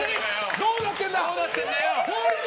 どうなってんだよ！